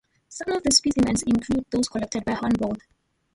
Some of the specimens include those collected by Humboldt.